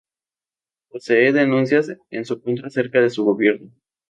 Posee denuncias en su contra acerca de su gobierno.